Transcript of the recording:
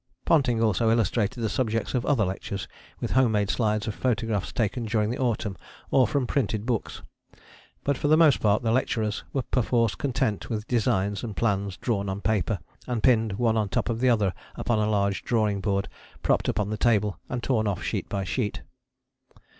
Ponting also illustrated the subjects of other lectures with home made slides of photographs taken during the autumn or from printed books. But for the most part the lecturers were perforce content with designs and plans, drawn on paper and pinned one on the top of the other upon a large drawing board propped up on the table and torn off sheet by sheet.